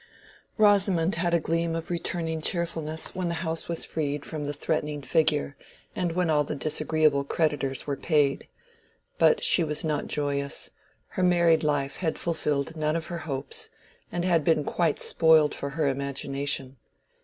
Rosamond had a gleam of returning cheerfulness when the house was freed from the threatening figure, and when all the disagreeable creditors were paid. But she was not joyous: her married life had fulfilled none of her hopes, and had been quite spoiled for her imagination.